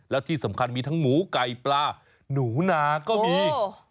แล้วที่สำคัญมีทั้งหมูไก่ปลาหนูนาก็มี